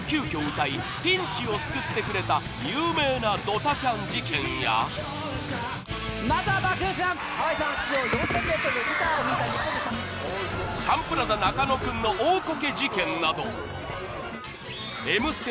歌いピンチを救ってくれた有名なドタキャン事件やサンプラザ中野くんの大コケ事件など「Ｍステ」